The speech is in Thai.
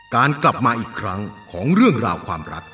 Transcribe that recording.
การกลับมาอีกครั้งของเรื่องราวความรัก